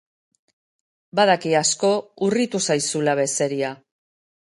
Badaki asko urritu zaizula bezeria.